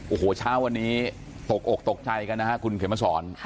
โอ้โหเช้าวันนี้ตกอกตกใจกันนะครับคุณเขมสอน